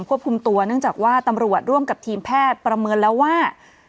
ควบคุมตัวเนื่องจากว่าตำรวจร่วมกับทีมแพทย์ประเมินแล้วว่า